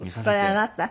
これあなた？